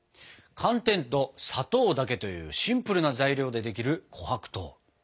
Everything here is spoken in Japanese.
寒天と砂糖だけというシンプルな材料でできる琥珀糖。